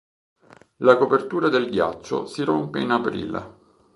La copertura del ghiaccio si rompe in aprile.